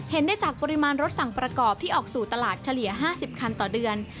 เห็นได้จากปริมาณรถสั่งประกอบที่ออกสู่ตลาดเฉลี่ย๕๐คันต่อเดือน